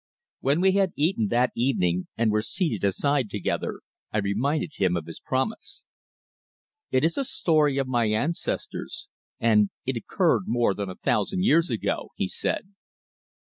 When we had eaten that evening and were seated aside together, I reminded him of his promise. "It is a story of my ancestors, and it occurred more than a thousand years ago," he said.